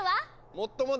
もっともだ！